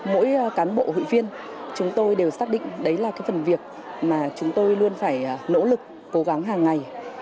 mỗi cán bộ hội viên chúng tôi đều xác định đấy là cái phần việc mà chúng tôi luôn phải nỗ lực cố gắng hàng ngày